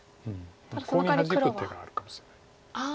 コウにハジく手があるかもしれない。